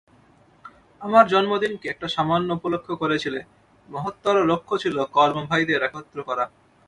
আমার জন্মদিনকে একটা সামান্য উপলক্ষ্য করেছিলে, মহত্তর লক্ষ্য ছিল কর্মভাইদের একত্র করা।